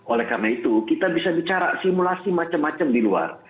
oleh karena itu kita bisa bicara simulasi macam macam di luar